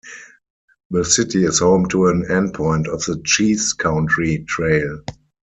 The city is home to an endpoint of the Cheese Country Trail.